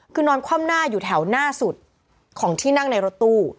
คือนอนคว่ำหน้าอยู่แถวหน้าสุดของที่นั่งในรถตู้